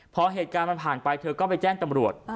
พอเหตุการณ์มันผ่านไปเธอก็ไปแจ้งตำรวจ